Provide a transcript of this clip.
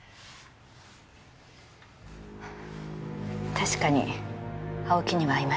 確かに青木には会いました。